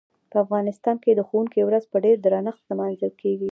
په افغانستان کې د ښوونکي ورځ په ډیر درنښت لمانځل کیږي.